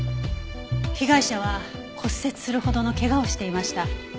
被害者は骨折するほどの怪我をしていました。